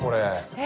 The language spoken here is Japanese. え？